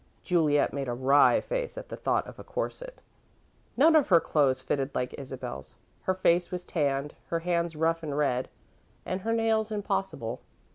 Juliet made a wry face at the thought of a corset. None of her clothes fitted like Isabel's, her face was tanned, her hands rough and red, and her nails impossible.